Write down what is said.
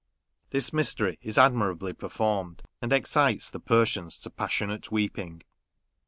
This " mystery " is admirably performed, and excites the Persians to passion ate weeping.